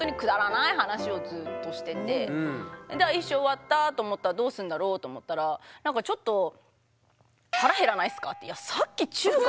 １周終わったと思ったらどうするんだろうと思ったらなんかちょっとさっき中華食べた。